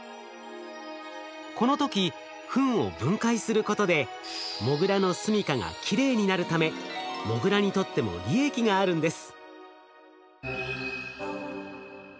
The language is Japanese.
この時ふんを分解することでモグラのすみかがきれいになるためモグラにとっても利益があるんです。